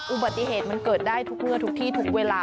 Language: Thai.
อุบัติเหตุมันเกิดได้ทุกเมื่อทุกที่ทุกเวลา